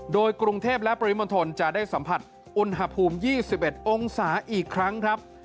โดยกรุงเทพและปริมณฑลจะได้สัมผัสอุณหภูมิ๒๑องศาอีกครั้งครับ